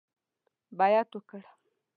بیعت وکړ.